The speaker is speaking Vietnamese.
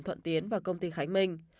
thuận tiến và công ty khánh minh